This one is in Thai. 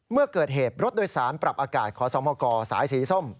เมื่อเกิดเหตุรถโดยสารปรับอากาศขอสมกสายสีส้ม